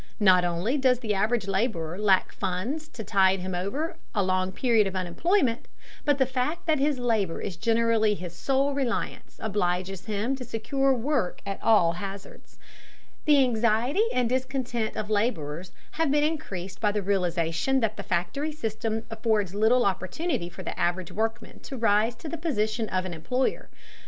Not only does the average laborer lack funds to tide him over a long period of unemployment, but the fact that his labor is generally his sole reliance obliges him to secure work at all hazards. The anxiety and discontent of laborers have been increased by the realization that the factory system affords little opportunity for the average workman to rise to the position of an employer.